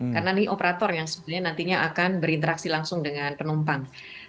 karena ini operator yang sebenarnya nantinya akan berinteraksi langsung dengan penumpang